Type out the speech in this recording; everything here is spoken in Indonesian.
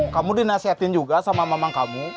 kamu dinasehatin juga sama mamang kamu